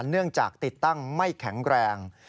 เนื่องจากติดตั้งไม่แข็งแรง